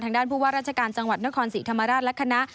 ด้านผู้ว่าราชการจังหวัดนครศรีธรรมราชและคณะ